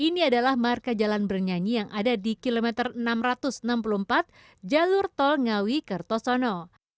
ini adalah marka jalan bernyanyi yang ada di kilometer enam ratus enam puluh empat jalur tol ngawi kertosono